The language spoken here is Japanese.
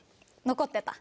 残ってた？